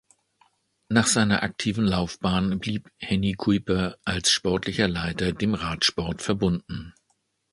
Nach seiner aktiven Laufbahn blieb Hennie Kuiper als Sportlicher Leiter dem Radsport verbunden.